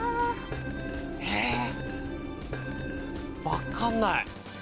わかんない。